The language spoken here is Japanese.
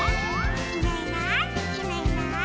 「いないいないいないいない」